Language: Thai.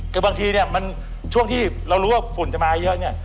คือบางทีเนี่ยมันช่วงที่เรารู้ว่าฝุ่นจะมาเยอะเนี่ย